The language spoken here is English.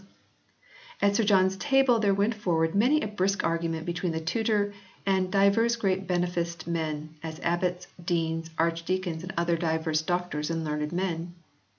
At m] TYNDALE S PRINTED TRANSLATION 39 Sir John s table there went forward many a brisk argument between the tutor and " divers great bene ficed men, as abbots, deans, archdeacons and other divers doctors and learned men."